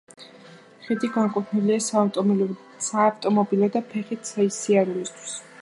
ხიდი განკუთვნილია საავტომობილო და ფეხით მოსიარულეთათვის.